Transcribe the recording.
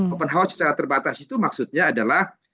open house secara terbatas itu maksudnya adalah